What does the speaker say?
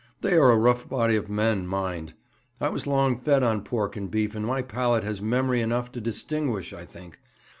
'They are a rough body of men, mind. I was long fed on pork and beef, and my palate has memory enough to distinguish, I think.